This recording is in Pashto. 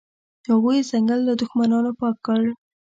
هغوی ځنګل له دښمنانو پاک کړ.